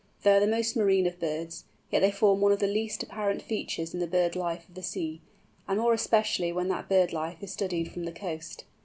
They are the most marine of birds, yet they form one of the least apparent features in the bird life of the sea, and more especially when that bird life is studied from the coast.